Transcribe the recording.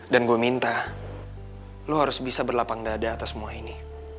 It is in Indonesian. dan gue minta lo harus bisa berlapang dada atas semua ini